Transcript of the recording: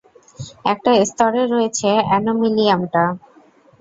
একটা স্তরে রয়েছে অ্যানোমিলিয়ামটা।